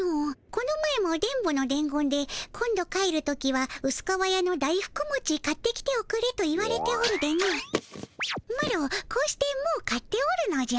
この前も電ボのでん言で今度帰る時はうす皮屋の大福もち買ってきておくれと言われておるでのマロこうしてもう買っておるのじゃ。